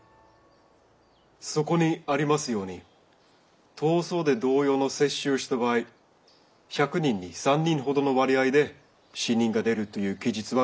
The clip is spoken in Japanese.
そこにありますように痘瘡で同様の接種をした場合１００人に３人ほどの割合で死人が出るという記述は見つかりました。